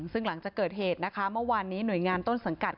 ซึ่งหลังจากเกิดเหตุนะคะเมื่อวานนี้หน่วยงานต้นสังกัด